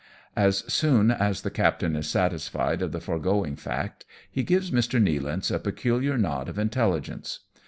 As soon as the captain is satisfied of the foregoing fact, he gives Mr. Nealance a peculiar nod of intelli gence.